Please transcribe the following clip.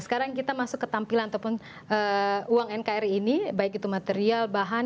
sekarang kita masuk ke tampilan ataupun uang nkri ini baik itu material bahan